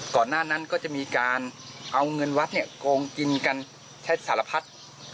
ก่อนหน้านั้นก็จะมีการเอาเงินวัดเนี่ยโกงกินกันแทบสารพัด